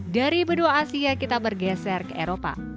dari benua asia kita bergeser ke eropa